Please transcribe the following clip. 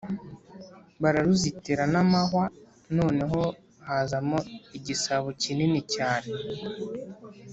bararuzitira n’amahwa, noneho, hazamo igisabo kinini cyane,